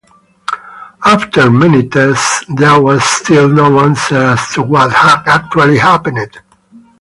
After many tests there was still no answer as to what had actually happened.